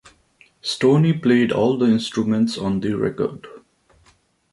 Stoney played all the instruments on the record.